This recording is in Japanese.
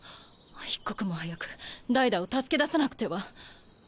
一刻も早くダイダを助け出さなくては。